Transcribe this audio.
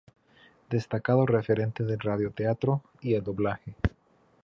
Destacado referente del radioteatro y el doblaje.